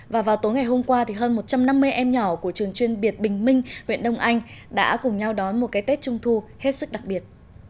và vào tối ngày hôm qua thì hơn một trăm năm mươi em nhỏ của trường chuyên biệt bình minh huyện đông anh đã cùng nhau đón một cái tết trung thu hết sức đặc biệt